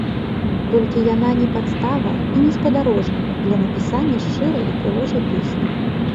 Толькі яна не падстава, і не спадарожнік для напісання шчырай і прыгожай песні.